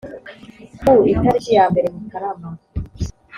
ku itariki ya mbere mutarama